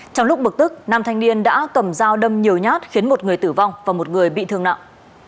trong lúc bực tức nam thanh niên đã cầm dao đâm nhiều nhát khiến một người tử vong và một người bị thương nặng